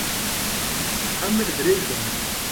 Emir dirêj be!